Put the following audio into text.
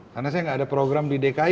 karena saya tidak ada program di dki